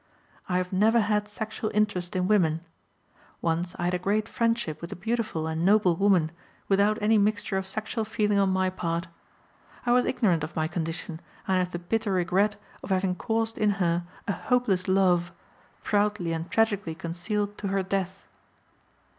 I have never had sexual interest in women. Once I had a great friendship with a beautiful and noble woman, without any mixture of sexual feeling on my part. I was ignorant of my condition, and I have the bitter regret of having caused in her a hopeless love proudly and tragically concealed to her death.